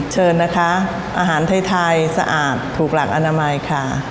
เชิญนะคะอาหารไทยสะอาดถูกหลักอนามัยค่ะ